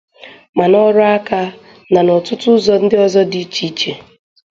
ma n'ọrụ aka na n'ọtụtụ ụzọ ndị ọzọ dị iche iche.